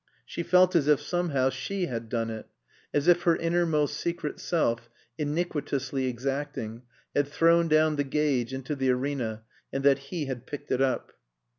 She felt as if somehow she had done it; as if her innermost secret self, iniquitously exacting, had thrown down the gage into the arena and that he had picked it up.